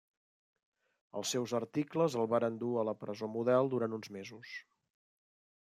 Els seus articles el varen dur a la presó Model durant uns mesos.